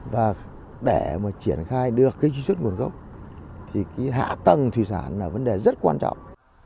và để mà triển khai được cái truy xuất nguồn gốc thì cái hạ tầng thủy sản là vấn đề rất quan trọng